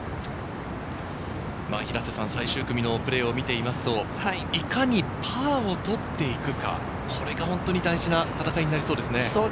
最終組のプレーを見てみますと、いかにパーを取っていくか、これが本当に大事な戦いになりそうですね。